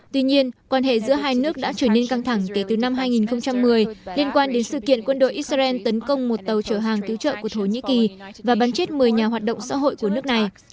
tuy nhiên quan hệ giữa hai nước đã trở nên căng thẳng kể từ năm hai nghìn một mươi liên quan đến sự kiện quân đội israel tấn công một tàu chở hàng cứu trợ của thổ nhĩ kỳ và bắn chết một mươi nhà hoạt động xã hội của nước này